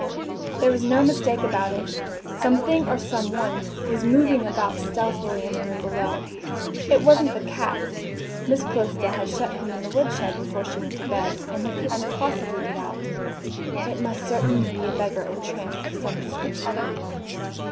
There was no mistake about it. Something or some person was moving about stealthily in the room below. It wasn't the cat Miss Calista had shut him in the woodshed before she went to bed, and he couldn't possibly get out. It must certainly be a beggar or tramp of some description.